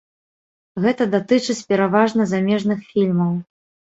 Гэта датычыць пераважна замежных фільмаў.